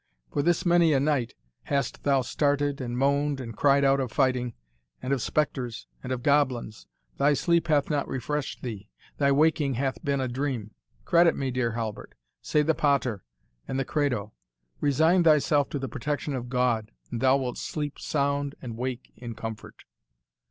For this many a night hast thou started and moaned, and cried out of fighting, and of spectres, and of goblins thy sleep hath not refreshed thee thy waking hath been a dream. Credit me, dear Halbert, say the Pater and Credo, resign thyself to the protection of God, and thou wilt sleep sound and wake in comfort."